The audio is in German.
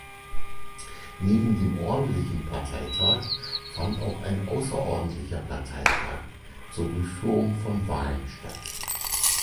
Neben dem ordentlichen Parteitag fand auch ein außerordentlicher Parteitag zur Durchführung von Wahlen statt.